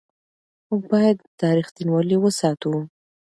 موږ باید دا رښتینولي وساتو.